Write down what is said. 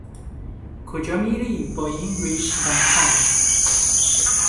کجا میری با این ریش و پشم؟